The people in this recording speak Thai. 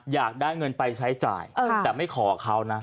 อยากได้เงินไปใช้จ่ายแต่ไม่ขอเขานะ